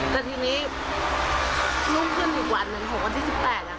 แต่ทีนี้รุ่งขึ้นอีกวันหนึ่งของวันที่๑๘